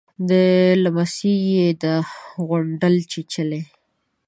_لمسۍ يې ده، غونډل چيچلې.